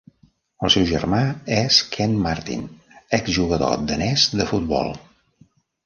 El seu germà és Ken Martin, exjugador danès de futbol.